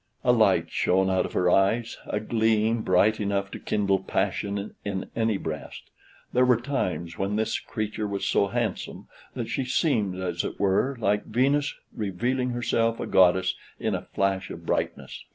A light shone out of her eyes; a gleam bright enough to kindle passion in any breast. There were times when this creature was so handsome, that she seemed, as it were, like Venus revealing herself a goddess in a flash of brightness.